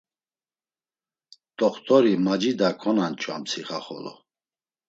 T̆oxt̆ori, macida konanç̌u amtsika xolo.